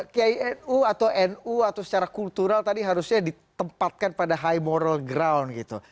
kinu atau nu atau secara kultural tadi harusnya ditempatkan pada high moral ground gitu